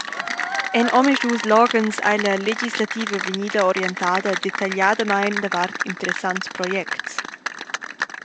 En omisdus loghens ei la legislativa vegnida orientada detagliadamein davart interessants projects.